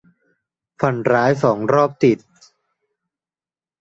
ฝันร้ายสองรอบติด